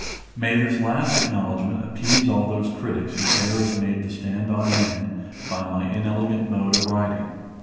May this last acknowledgment appease all those critics whose hair is made to stand on end by my inelegant mode of writing.